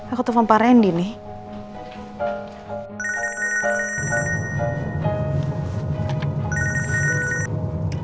aku telfon pak rendi nih